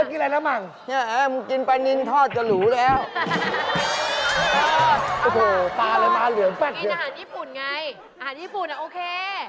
โอ้โหกินอาหารญี่ปุ่นไงอาหารญี่ปุ่นอ่ะโอเค